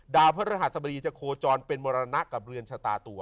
ดาวพระธรรมศาสตรีจะโคจรเป็นมรณะกับเรือนชะตาตัว